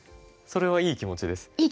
それはいい気持ちです。